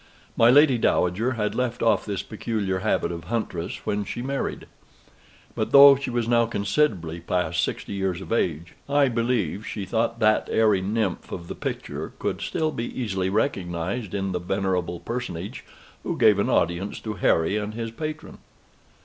My Lady Dowager had left off this peculiar habit of huntress when she married. But though she was now considerably past sixty years of age, I believe she thought that airy nymph of the picture could still be easily recognized in the venerable personage who gave an audience to Harry and his patron.